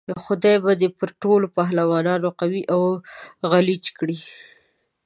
خدای به دې پر ټولو پهلوانانو قوي او غلیچ کړي.